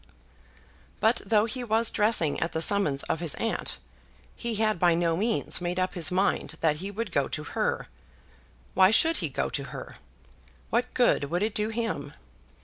But though he was dressing at the summons of his aunt, he had by no means made up his mind that he would go to her. Why should he go to her? What good would it do him?